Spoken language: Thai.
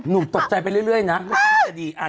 นุ้งตกใจไปเรื่อยนะ